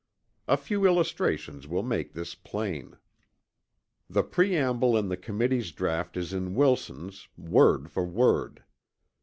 A few illustrations will make this plain. The preamble in the Committee's draught is in Wilson's, word for word.